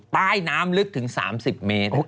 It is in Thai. ใต้น้ำลึกถึง๓๐เมตร